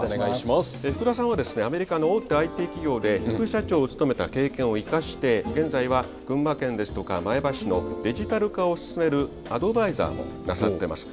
福田さんはですねアメリカの大手ＩＴ企業で副社長を務めた経験を生かして現在は群馬県ですとか前橋市のデジタル化を進めるアドバイザーもなさってます。